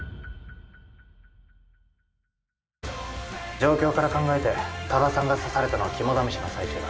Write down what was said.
状況から考えて多田さんが刺されたのは肝試しの最初だ。